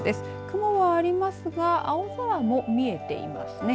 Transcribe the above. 雲はありますが青空も見えていますね。